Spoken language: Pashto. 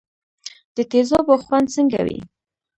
د تیزابو خوند څنګه وي.